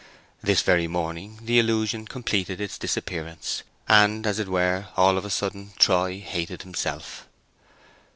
This very morning the illusion completed its disappearance, and, as it were, all of a sudden, Troy hated himself.